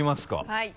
はい。